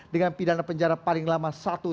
dengan pidana penjara paling lama